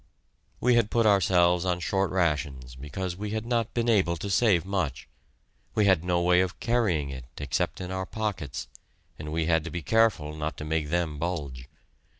We had put ourselves on short rations because we had not been able to save much; we had no way of carrying it except in our pockets, and we had to be careful not to make them bulge.